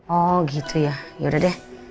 oh gitu ya yaudah deh